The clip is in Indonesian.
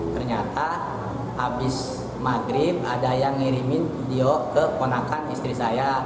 ternyata habis maghrib ada yang ngirimin dia ke ponakan istri saya